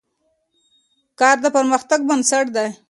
کار د پرمختګ بنسټ دی.